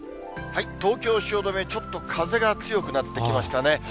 東京・汐留、ちょっと風が強くなってきましたね。